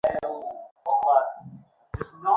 ঠিক আছে, এখন কান্না থামাও।